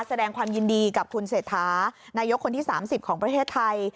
แสดงความยินดีกับคุณเศรษฐานายกคนที่๓๐ของประเทศไทย